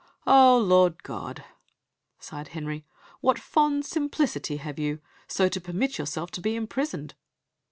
"Oh, Lord God," sighed Henry, "what fond simplicity have you, so to permit yourself to be imprisoned!"